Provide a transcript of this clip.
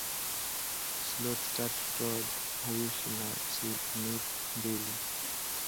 Sloth tatu toed huishi na sloth mbili